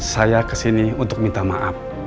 saya kesini untuk minta maaf